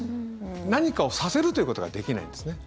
何かをさせるということができないんですね。